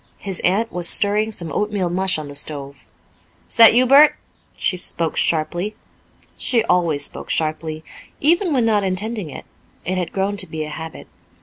His aunt was stirring some oatmeal mush on the stove. "Is that you, Bert?" She spoke sharply. She always spoke sharply, even when not intending it; it had grown to be a habit.